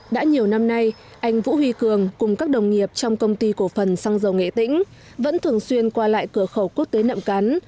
đã nhiều năm nay anh vũ huy cường cùng các đồng nghiệp trong công ty cổ phần xăng dầu nghệ tĩnh vẫn thường xuyên qua lại cửa khẩu quốc tế nậm cắn